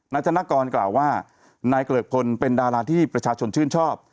ธนกรกล่าวว่านายเกริกพลเป็นดาราที่ประชาชนชื่นชอบ